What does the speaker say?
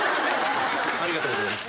ありがとうございます。